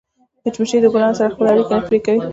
مچمچۍ د ګلونو سره خپله اړیکه نه پرې کوي